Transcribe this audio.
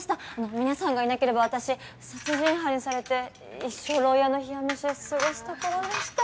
皆さんがいなければ私殺人犯にされて一生牢屋の冷や飯で過ごすところでした。